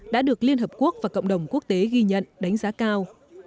đã được liên hợp quốc và cộng đồng quốc tế ghi nhận đánh giá cao